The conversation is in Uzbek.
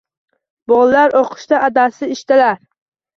Bolalar o‘qishda, adasi ishdalar.